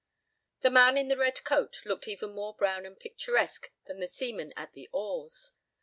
The man in the red coat looked even more brown and picturesque than the seamen at the oars.